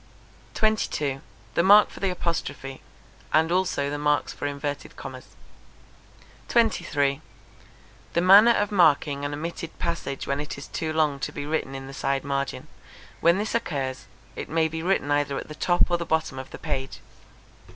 22. The mark for the apostrophe; and also the marks for inverted commas. 23. The manner of marking an omitted passage when it is too long to be written in the side margin. When this occurs, it may be written either at the top or the bottom of the page.